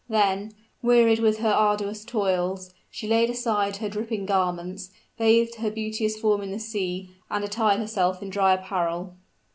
Then, wearied with her arduous toils, she laid aside her dripping garments, bathed her beauteous form in the sea, and attired herself in dry apparel.